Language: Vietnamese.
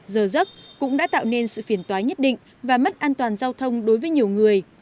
giờ giấc cũng đã tạo nên sự phiền toái nhất định và mất an toàn giao thông đối với nhiều người